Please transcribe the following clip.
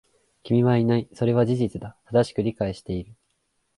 君はいない。それは事実だ。正しく理解している。